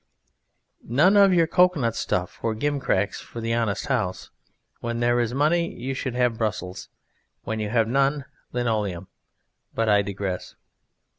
None of your cocoanut stuff or gimcracks for the honest house: when there is money you should have Brussels, when you have none linoleum but I digress).